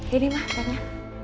ini mah tanya